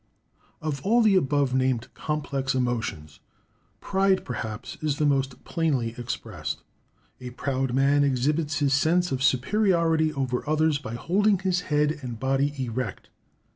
Of all the above named complex emotions, Pride, perhaps, is the most plainly expressed. A proud man exhibits his sense of superiority over others by holding his head and body erect.